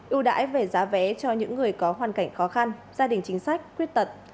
ưu đãi về giá vé cho những người có hoàn cảnh khó khăn gia đình chính sách khuyết tật